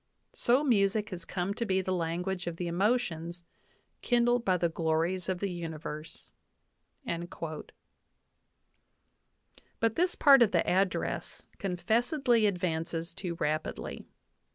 So music has come to be the lan guage of the emotions kindled by the glories of the universe/' But this part of the address confessedly advances too rapidly.